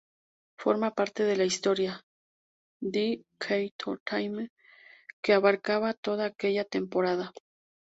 Forma parte de la historia "The Key to Time" que abarcaba toda aquella temporada.